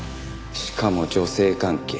しかも女性関係。